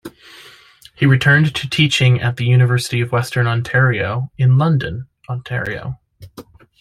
He returned to teaching at the University of Western Ontario, in London, Ontario.